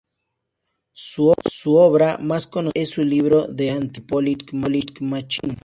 Su obra más conocida es su libro, "The Anti-Politics Machine".